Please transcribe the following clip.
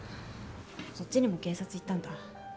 そっちにも警察行ったんだ。